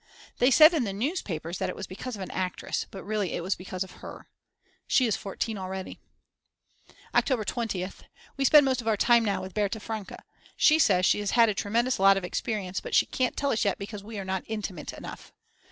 They said in the newspapers that it was because of an actress, but really it was because of her. She is 14 already. October 20th. We spend most of our time now with Berta Franke. She says she has had a tremendous lot of experience, but she can't tell us yet because we are not intimate enough.